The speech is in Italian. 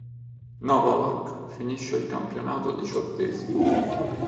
Novalak finisce il campionato diciottesimo.